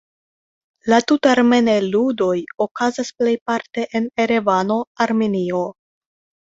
La Tut-armenaj Ludoj okazas plejparte en Erevano, Armenio.